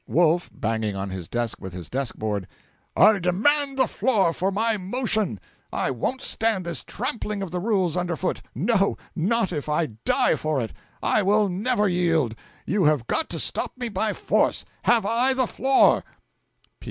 Wolf (banging on his desk with his desk board). 'I demand the floor for my motion! I won't stand this trampling of the Rules under foot no, not if I die for it! I will never yield. You have got to stop me by force. Have I the floor?'